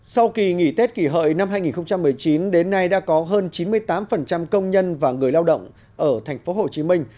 sau kỳ nghỉ tết kỷ hợi năm hai nghìn một mươi chín đến nay đã có hơn chín mươi tám công nhân và người lao động ở thành phố hồ chí minh